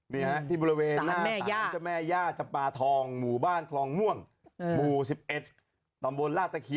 มันต้องมาเพราะเขากินกันเป็นประจำทุกปี